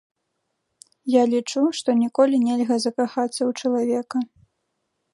Я лічу, што ніколі нельга закахацца ў чалавека.